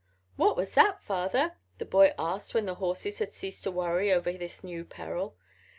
"What was that, father?" the boy asked when the horses had ceased to worry over this new peril.